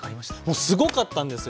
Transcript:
もうすごかったんですよ！